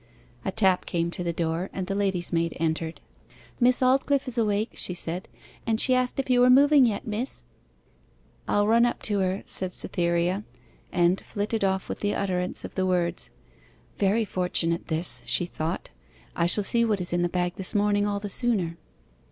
A tap came to the door, and the lady's maid entered. 'Miss Aldclyffe is awake,' she said; 'and she asked if you were moving yet, miss.' 'I'll run up to her,' said Cytherea, and flitted off with the utterance of the words. 'Very fortunate this,' she thought; 'I shall see what is in the bag this morning all the sooner.